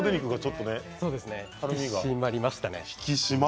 引き締まりましたね。